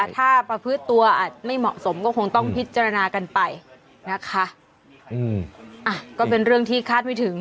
ถ้าประพฤติตัวอาจไม่เหมาะสมก็คงต้องพิจารณากันไปนะคะก็เป็นเรื่องที่คาดไม่ถึง